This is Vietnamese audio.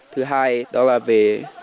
thứ hai đó là về